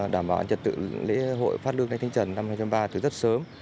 đảm bảo an chật tự lễ hội phát lương tây thanh trần năm hai nghìn ba từ rất sớm